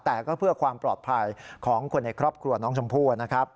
แต่ก็เพื่อความปลอดภัยของคนในครอบครัวน้องชมพู่นะครับ